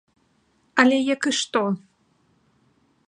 Але як і што?